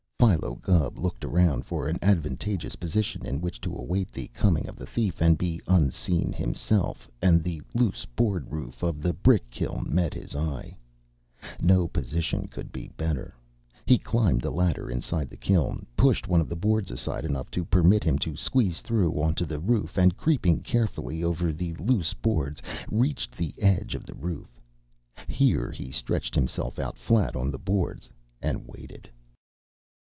Philo Gubb looked around for an advantageous position in which to await the coming of the thief, and be unseen himself, and the loose board roof of the brick kiln met his eye. No position could be better. He climbed the ladder inside the kiln, pushed one of the boards aside enough to permit him to squeeze through onto the roof, and creeping carefully over the loose boards, reached the edge of the roof. Here he stretched himself out flat on the boards, and waited.